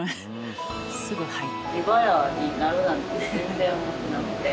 すぐ「はい」。